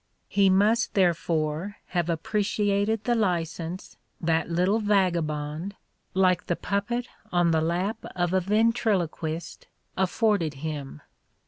'' He must, therefore, have appreciated the 196 The Ordeal of Mark Twain license that little vagabond, like the puppet on the lap of a ventriloquist, afforded him.